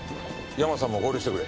ヤマさんも合流してくれ。